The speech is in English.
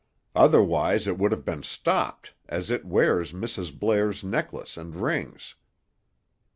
Otherwise it would have been stopped, as it wears Mrs. Blair's necklace and rings."